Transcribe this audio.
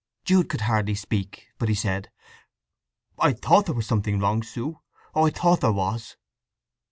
Jude could hardly speak, but he said, "I thought there was something wrong, Sue! Oh, I thought there was!"